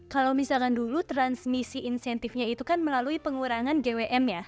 kalau misalkan dulu transmisi insentifnya itu kan melalui pengurangan gwm ya